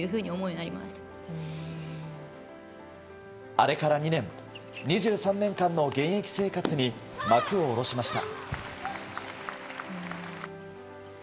あれから２年２３年間の現役生活に幕を下ろしました。